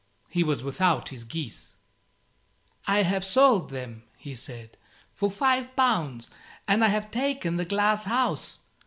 He was without his geese. "I have sold them," he said, "for 5 pounds; and I have taken the glass house.